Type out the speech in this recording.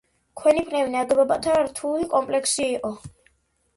ქვენიფნევი ნაგებობათა რთული კომპლექსი იყო.